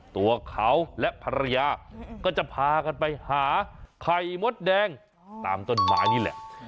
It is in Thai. ตัวเขาและภรรยาก็จะพากันไปหาไข่มดแดงตามต้นไม้นี่แหละ